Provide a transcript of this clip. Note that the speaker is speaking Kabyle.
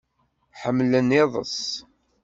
Ḥmmlen iḍes.